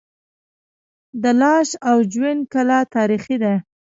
د لاش او جوین کلا تاریخي ده